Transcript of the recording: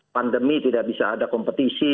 pandemi tidak bisa ada kompetisi